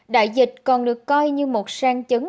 đại dịch còn được coi như một sang chứng